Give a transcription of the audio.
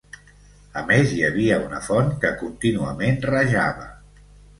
A més hi havia una font que contínuament rajava.